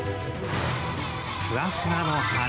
ふわふわの羽。